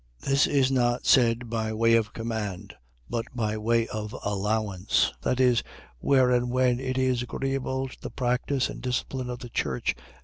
. .This is not said by way of command, but by way of allowance, viz., where and when it is agreeable to the practice and discipline of the church.